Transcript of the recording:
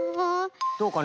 どうかな？